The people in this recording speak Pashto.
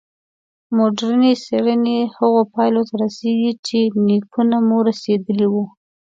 مډرني څېړنې هغو پایلو ته رسېږي چې نیکونه مو رسېدلي وو.